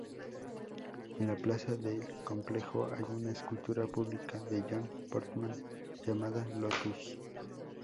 En la plaza del complejo hay una escultura pública de John Portman llamada ""Lotus"".